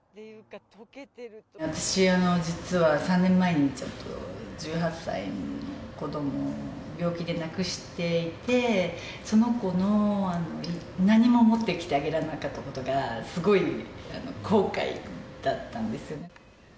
私、実は３年前にちょっと、１８歳の子どもを病気で亡くしていて、その子の、何も持ってきてあげられなかったことがすごい後悔だったんですよね。